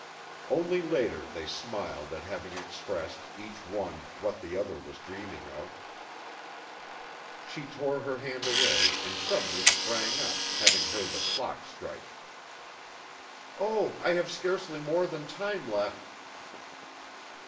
(Only later they smiled at having expressed, each one, what the other was dreaming of.) She tore her hand away and suddenly sprang up, having heard the clock strike. "Oh, I have scarcely more than time left...."